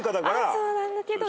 阿蘇なんだけど。